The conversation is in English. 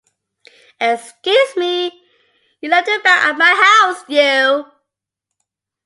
Excuse me? You left your bag at my house, you!